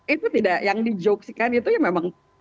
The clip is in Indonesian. itu tidak yang dijokesikan itu ya memang